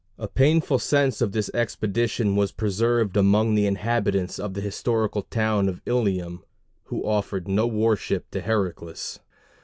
A painful sense of this expedition was preserved among the inhabitants of the historical town of Ilium, who offered no worship to Heracles.